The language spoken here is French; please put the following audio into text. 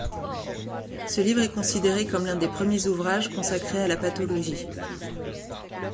Ce livre est considéré comme l'un des premiers ouvrages consacrés à la pathologie.